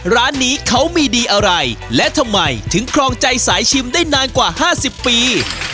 ร้านนี้เขามีดีอะไรและทำไมถึงครองใจสายชิมได้นานกว่า๕๐ปี